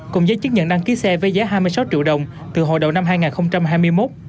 cùng giấy chứng nhận đăng ký xe với giá hai mươi sáu triệu đồng từ hồi đầu năm hai nghìn hai mươi một